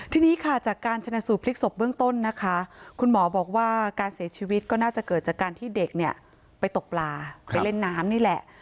ทีนี้ค่ะจากการชนะสูตรพลิกศพเบื้องต้นนะคะคุณหมอบอกว่าการเสียชีวิตก็น่าจะเกิดจากการที่เด็กเนี่ยไปตกปลาไปเล่นน้ำนี่แหละ